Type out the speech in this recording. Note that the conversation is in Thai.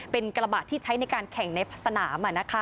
เป็นกระบะที่ใช้ในการแข่งในสนาม